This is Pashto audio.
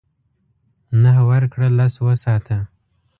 نهه ورکړه لس وساته .